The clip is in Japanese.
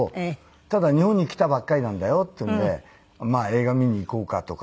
ただ日本に来たばっかりなんだよっていうんでまあ映画見に行こうかとか。